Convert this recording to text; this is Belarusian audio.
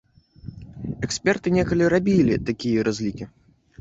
Эксперты некалі рабілі такія разлікі.